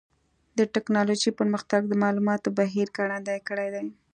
د ټکنالوجۍ پرمختګ د معلوماتو بهیر ګړندی کړی دی.